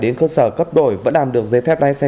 đến cơ sở cấp đổi vẫn làm được giấy phép lái xe